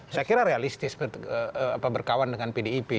saya kira realistis berkawan dengan pdip